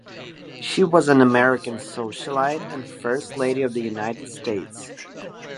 She was an American socialite and first lady of the United States.